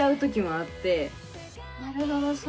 なるほど。